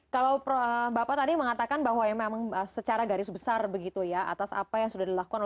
kalau bapak tadi mengatakan bahwa memang secara garis besar begitu ya atas apa yang sudah dilakukan